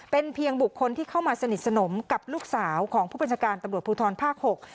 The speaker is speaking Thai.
เป็นเพียงบุคคลที่เข้ามาสนิทสนมกับลูกสาวของผู้บัญชาการตำรวจภูทรภาค๖